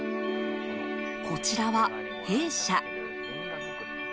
こちらは兵舎。